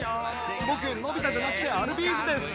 僕、のび太じゃなくてアルビーズです。